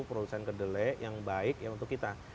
produsen kedele yang baik untuk kita